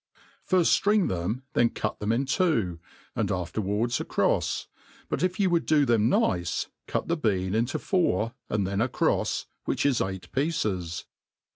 FIRST ftring them, then cut them in two, and afterwards acrofs: but if you would do them nice, cut the bean into four, and then acrofs, which is eight pieces.